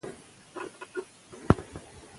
هغه وویل چې لار اوږده ده.